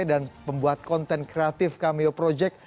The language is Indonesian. dan pembuat konten kreatif cameo project